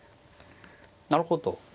なるほど。